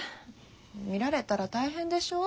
見られたら大変でしょう？